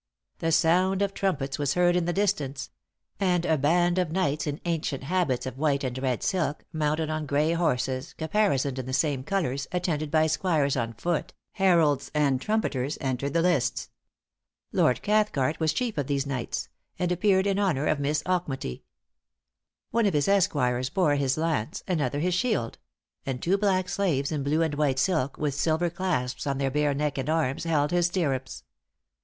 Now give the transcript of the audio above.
The sound of trumpets was heard in the distance; and a band of knights in ancient habits of white and red silk, mounted on gray horses caparisoned in the same colors, attended by squires on foot, heralds and trumpeters, entered the lists. Lord Cathcart was chief of these knights; and appeared in honor of Miss Auchmuty. One of his esquires bore his lance, another his shield; and two black slaves in blue and white silk, with silver clasps on their bare neck and arms, held his stirrups.